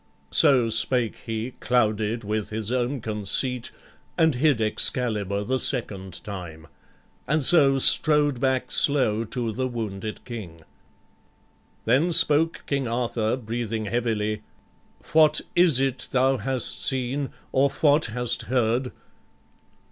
So spake he, clouded with his own conceit, And hid Excalibur the second time, And so strode back slow to the wounded King. Then spoke King Arthur, breathing heavily: "What is it thou hast seen? or what hast heard?"